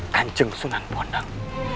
kanjeng sunan pondang